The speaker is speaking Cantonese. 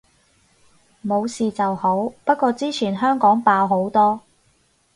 冇事就好，不過之前香港爆好多